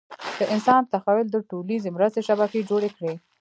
د انسان تخیل د ټولیزې مرستې شبکې جوړې کړې.